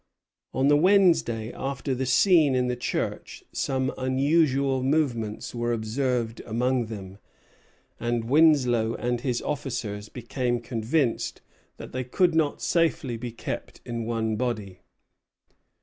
On the Wednesday after the scene in the church some unusual movements were observed among them, and Winslow and his officers became convinced that they could not safely be kept in one body.